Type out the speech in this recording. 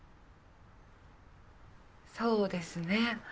そうですね。